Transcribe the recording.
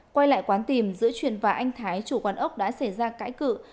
quay lại quán tìm giữa chuyện và anh thái chủ quán ốc đã xảy ra cãi cự